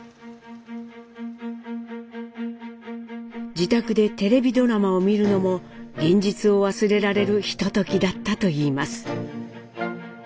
自宅でテレビドラマを見るのも現実を忘れられるひとときだったといいます。